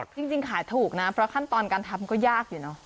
จริงขายถูกนะเพราะขั้นตอนการทำก็ยากอยู่เนอะ